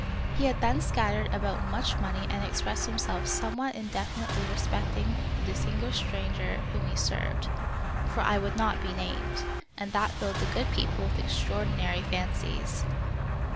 He had there scattered about much money and expressed himself somewhat indefi nitely respecting the distinguished stranger whom he served, for I would not be named, and that filled the good people with extraordinary fancies.